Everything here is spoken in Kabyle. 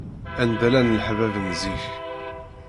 Anda llan leḥbab n zik.